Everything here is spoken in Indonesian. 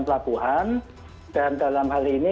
pelabuhan dan dalam hal ini